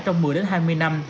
trong một mươi đến hai mươi năm